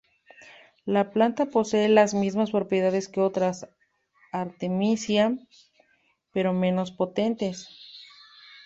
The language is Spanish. La planta posee las mismas propiedades que otras "Artemisia" pero menos potentes.